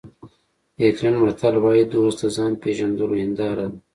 آیرلېنډي متل وایي دوست د ځان پېژندلو هنداره ده.